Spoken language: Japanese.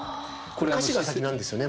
歌詞が先なんですよね